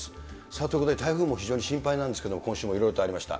さあ、ということで台風も非常に心配なんですけれども、今週もいろいろとありました。